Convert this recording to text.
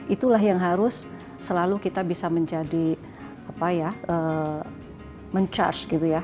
itulah yang harus selalu kita bisa menjadi apa ya men charge gitu ya